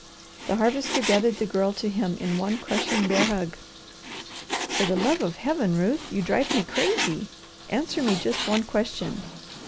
The Harvester gathered the Girl to him in one crushing bear hug. "For the love of Heaven, Ruth, you drive me crazy! Answer me just one question.